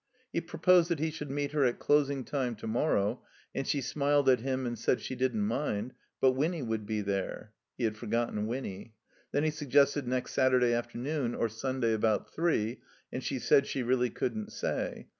He proposed that he should meet her at closing time to morrow, and she smiled at him and said she didn't mind; but Winny would be there (he had forgotten Winny). Then he suggested next Satur day afternoon or Stmday about three; and she said she really couldn't say.